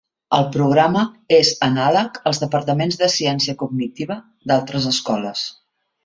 El programa és anàleg als departaments de ciència cognitiva d'altres escoles.